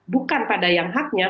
bukan pada yang haknya